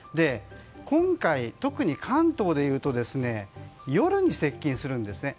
今回、特に関東でいうと夜に接近するんですね。